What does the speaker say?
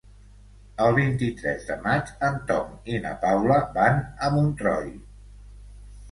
El vint-i-tres de maig en Tom i na Paula van a Montroi.